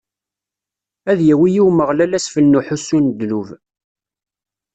Ad d-yawi i Umeɣlal asfel n uḥussu n ddnub.